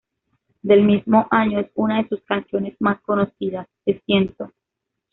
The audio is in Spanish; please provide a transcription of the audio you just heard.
Del mismo año es una de sus canciones más conocidas, ""Te siento"".